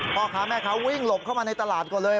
พ่อค้าแม่ค้าวิ่งหลบเข้ามาในตลาดก่อนเลย